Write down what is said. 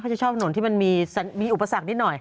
จะชอบถนนที่มันมีอุปสรรคนิดหน่อย